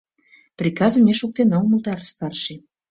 — Приказым ме шуктена! — умылтарыш старший.